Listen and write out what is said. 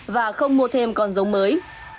và không mua thêm con dấu mới